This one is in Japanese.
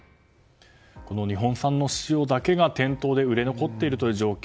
日本産の塩だけが店頭で売れ残っているという状況。